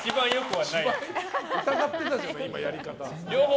疑ってたじゃん、やり方。